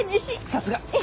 さすが！